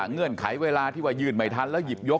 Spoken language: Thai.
เงื่อนไขเวลาที่ว่ายื่นไม่ทันแล้วหยิบยก